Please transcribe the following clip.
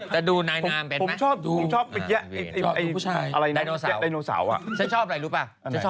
โชว์อะไรแองจี้โชว์อะไรแองจี้โชว์อะไรแองจี้